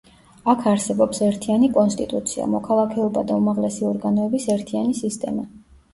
აქ არსებობს ერთიანი კონსტიტუცია, მოქალაქეობა და უმაღლესი ორგანოების ერთიანი სისტემა.